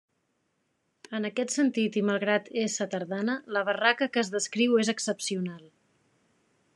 En aquest sentit i malgrat ésser tardana, la barraca que es descriu és excepcional.